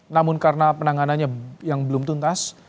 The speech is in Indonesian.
namun karena penanganannya yang belum tuntas